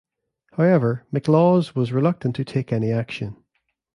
However, McLaws was reluctant to take any action.